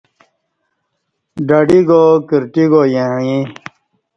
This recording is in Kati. ڈہ ڈی گا کرٹی گا یعیں